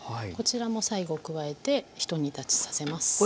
こちらも最後加えてひと煮立ちさせます。